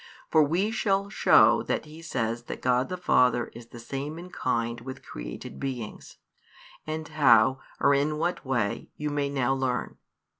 For we shall show that he says that God the Father is the same in kind with created beings; and how, or in what way, you may now learn.